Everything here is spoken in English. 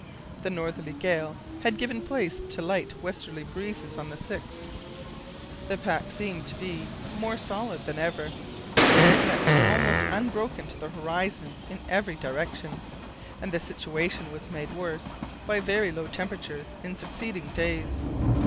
The northerly gale had given place to light westerly breezes on the 6th. The pack seemed to be more solid than ever. It stretched almost unbroken to the horizon in every direction, and the situation was made worse by very low temperatures in succeeding days.